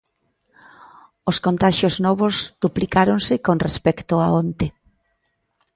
Os contaxios novos duplicáronse con respecto a onte.